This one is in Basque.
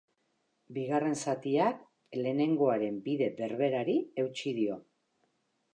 Bigarren zatiak lehenengoaren bide berberari eutsi dio.